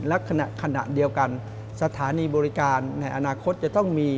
และขณะเดียวกันสถานีบริการในอนาคตจะต้องมี